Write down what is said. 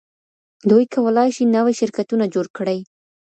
دوی کولای شي نوي شرکتونه جوړ کړي.